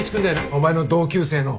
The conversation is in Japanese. お前の同級生の。